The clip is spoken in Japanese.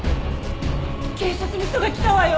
警察の人が来たわよ！